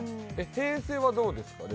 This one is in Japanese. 平成はどうですか？